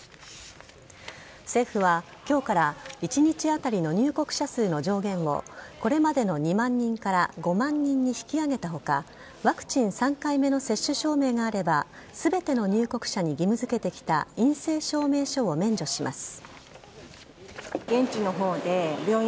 政府は今日から一日当たりの入国者数の上限をこれまでの２万人から５万人に引き上げた他ワクチン３回目の接種証明があれば全ての入国者に義務付けてきた陰性証明書を免除します。